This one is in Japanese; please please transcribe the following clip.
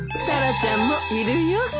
タラちゃんもいるよ。